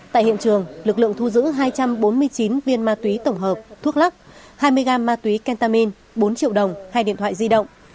tại hiện trường lực lượng thu giữ hai trăm bốn mươi chín viên ma túy tổng hợp thuốc lắc hai mươi gam ma túy kentamin bốn triệu đồng hai điện thoại di động